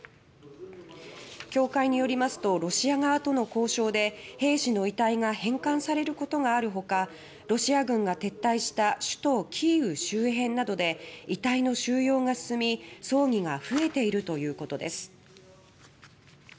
教会によりますとロシア側との交渉で兵士の遺体が返還されることがあるほかロシア軍が撤退した首都キーウ周辺などで遺体の収容が進み葬儀が増えているということです